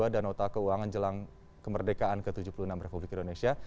dan nota keuangan jelang kemerdekaan ke tujuh puluh enam republik indonesia